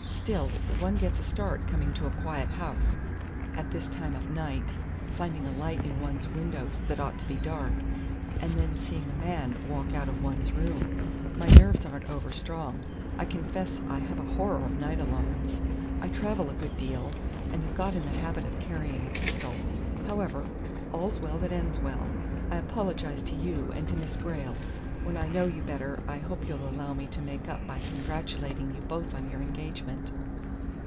Still, one gets a start coming to a quiet house, at this time of night, finding a light in one's windows that ought to be dark, and then seeing a man walk out of one's room. My nerves aren't over strong. I confess I have a horror of night alarms. I travel a good deal, and have got in the habit of carrying a pistol. However, all's well that ends well. I apologize to you, and to Miss Grayle. When I know you better, I hope you'll allow me to make up by congratulating you both on your engagement."